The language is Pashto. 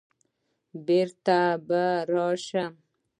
بېرته به راشم